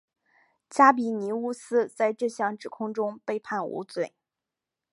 加比尼乌斯在这项指控中被判无罪。